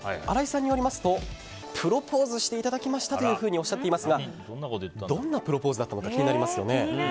新井さんによりますとプロポーズしていただきましたとおっしゃっていますがどんなプロポーズだったのか気になりますよね。